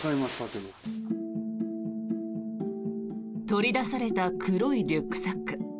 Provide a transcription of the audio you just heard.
取り出された黒いリュックサック。